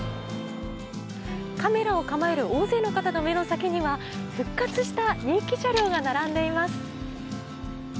カメラを構える大勢の方の目の先には復活した人気車両が並んでいます。